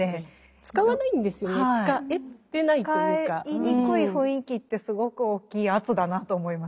使いにくい雰囲気ってすごく大きい圧だなと思います。